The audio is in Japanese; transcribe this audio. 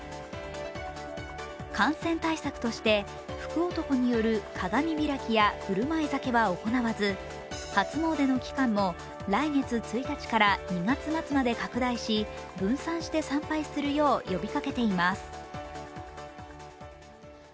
感染対策として福男による鏡開きや振る舞い酒は行わず初詣の期間も来月１日から２月末まで拡大し、分散して参拝するよう呼びかけています。